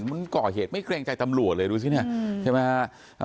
มันก่อเหตุไม่เกรงใจตำรวจเลยดูสิเนี่ยใช่ไหมฮะ